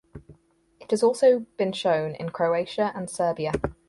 It has also been shown in Croatia and Serbia.